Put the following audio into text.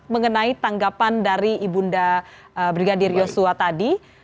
mengenai tanggapan dari ibunda brigadir yosua tadi